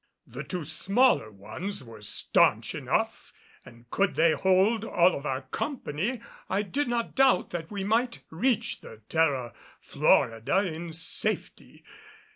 The two smaller ones were staunch enough and could they hold all of our company, I did not doubt that we might reach the Terra Florida in safety.